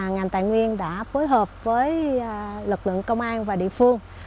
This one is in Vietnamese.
ngành tài nguyên đã phối hợp với lực lượng công an và địa phương